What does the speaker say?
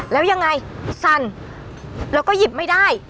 แล้วยังไงสั่นแล้วก็หยิบไม่ได้